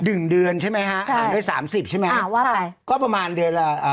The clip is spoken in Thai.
หนึ่งเดือนใช่ไหมฮะอ่าด้วยสามสิบใช่ไหมอ่าว่าไปก็ประมาณเดือนละอ่า